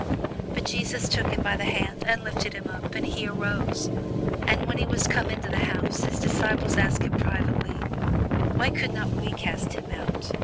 But Jesus took him by the hand, and lifted him up; and he arose. And when he was come into the house, his disciples asked him privately, Why could not we cast him out?